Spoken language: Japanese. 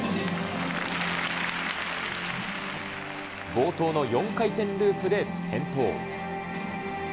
冒頭の４回転ループで転倒。